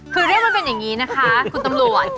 คือเรื่องมันเป็นอย่างนี้นะคะคุณตำรวจ